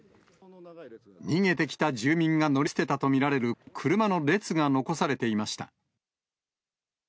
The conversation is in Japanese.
逃げてきた住民が乗り捨てたと見られる車の列が残されていました。